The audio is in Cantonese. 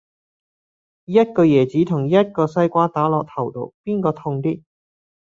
一個椰子同一個西瓜打落頭度,邊個痛啲